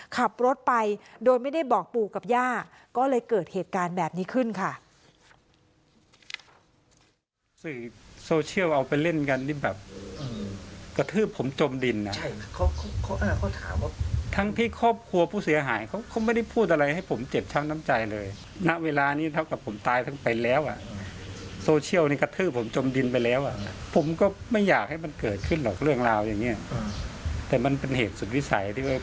ขับรถไปโดยไม่ได้บอกปู่กับย่าก็เลยเกิดเหตุการณ์แบบนี้ขึ้นค่ะ